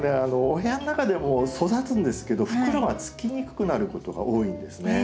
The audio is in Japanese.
お部屋の中でも育つんですけど袋がつきにくくなることが多いんですね。